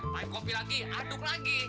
pahit kopi lagi aduk lagi